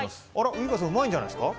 ウイカさんうまいんじゃないですか？